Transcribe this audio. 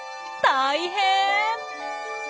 大変！